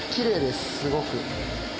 すごく。